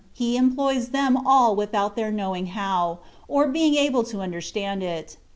He employs them all without their knowing how, or being able to understand it.